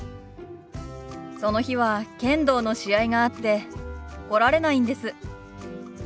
その日は剣道の試合があって来られないんです。